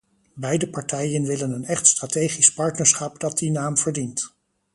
Beide partijen willen een echt strategisch partnerschap dat die naam verdient.